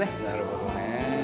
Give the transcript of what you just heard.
なるほどね。